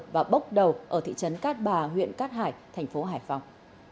và bốc đầu ở thị trấn cát bà huyện cát hải thành phố hải phòng